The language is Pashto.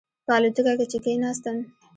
په الوتکه کې چې کېناستم.